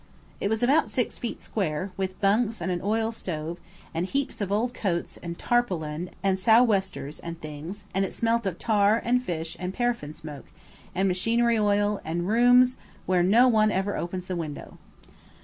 It was about six feet square, with bunks and an oil stove, and heaps of old coats and tarpaulins and sou' westers and things, and it smelt of tar, and fish, and paraffin smoke, and machinery oil, and of rooms where no one ever opens the window.